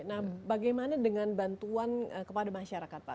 nah bagaimana dengan bantuan kepada masyarakat pak